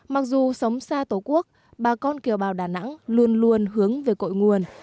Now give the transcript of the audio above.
mặc dù sống xa tổ quốc bà con kiều bào đà nẵng luôn luôn hướng về cội nguồn